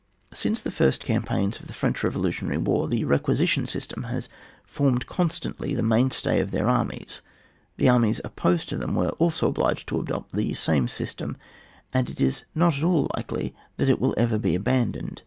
Since the first campaigns of the French revolutionary war, the requisition system has formed constantly the mainstay of their armies, the armies opposed to Uiem were also obliged to adopt the same system, and it is not at all likely that it will ever be abandoned.